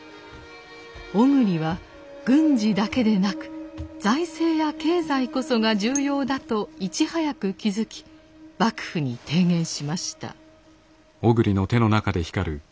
小栗は軍事だけでなく財政や経済こそが重要だといち早く気付き幕府に提言しました。